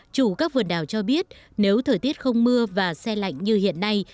chủ các vườn đào cho biết nếu thời tiết không mưa và xe lạnh như hiện nay